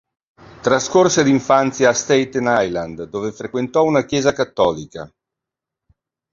Trascorse l'infanza a Staten Island dove frequentò una chiesa cattolica.